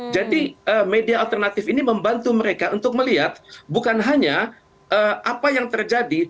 jadi media alternatif ini membantu mereka untuk melihat bukan hanya apa yang terjadi